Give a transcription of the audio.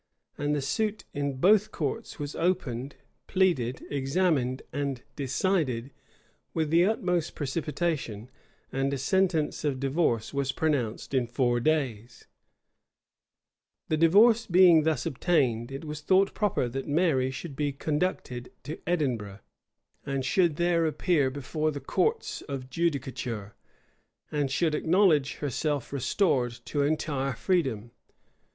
And the suit in both courts was opened, pleaded, examined, and decided, with the utmost precipitation; and a sentence of divorce was pronounced in four days.[*] * Anderson, vol. ii. p. 280. The divorce being thus obtained, it was thought proper that Mary should be conducted to Edinburgh, and should there appear before the courts of judicature, and should acknowledge herself restored to entire freedom.